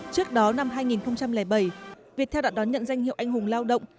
trước đó năm hai nghìn bảy việt heo đã đón nhận danh hiệu anh hùng lao động